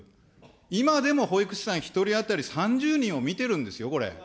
今でも保育士さん１人当たり３０人を見てるんですよ、これ。